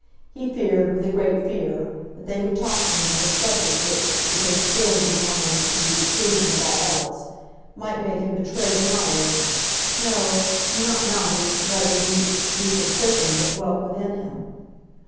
He feared, with a great fear, that they would talk to him of a subject which, because it filled his mind to the exclusion of all else, might make him betray the knowledge—no, not knowledge, rather the—the suspicion—that dwelt within him.